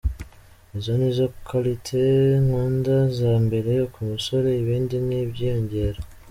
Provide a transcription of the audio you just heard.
Izo nizo qualités nkunda za mbere ku musore, ibindi ni iby’inyongera.